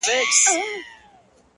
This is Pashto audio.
که نه نو ولي بيا جواب راکوي،